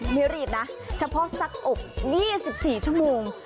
ไม่รีดนะเฉพาะซักอก๒๔ชั่วโมง